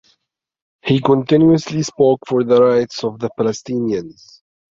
He continuously spoke for the rights of the Palestinians.